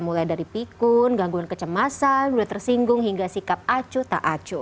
mulai dari pikun gangguan kecemasan mulai tersinggung hingga sikap acu tak acu